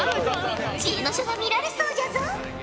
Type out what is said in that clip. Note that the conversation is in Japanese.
知恵の書が見られそうじゃぞ。